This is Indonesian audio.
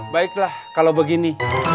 baiklah kalau begini